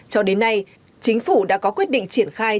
cho đến nay chính phủ đã có quyết định triển khai